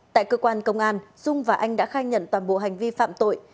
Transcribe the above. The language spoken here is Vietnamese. tại cơ quan công an dung và anh đã khai nhận toàn bộ hành vi phạm tội